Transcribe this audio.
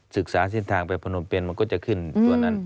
ศึกษาเส้นทางไปพนมเป็นมันก็จะขึ้นตัวนั้น